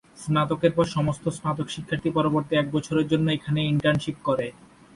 স্নাতকের পর সমস্ত স্নাতক শিক্ষার্থী পরবর্তী এক বছরের জন্য এখানে ইন্টার্নশিপ করে।